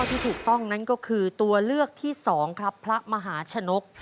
ที่ถูกต้องนั่นก็คือตัวเลือกที่๒ครับพระมหาชนก